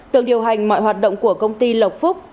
tường điều hành mọi hoạt động của công ty lộc phúc